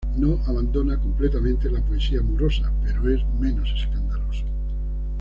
No abandona completamente la poesía amorosa, pero es menos escandaloso.